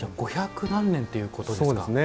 ５００何年ということですね。